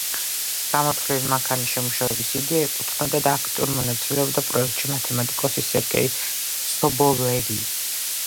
გამოთვლითი მანქანის შემუშავების იდეა ეკუთვნოდა და აქტიურ მონაწილეობდა პროექტში მათემატიკოსი სერგეი სობოლევი.